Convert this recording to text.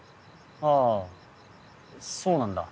ああそうなんだ。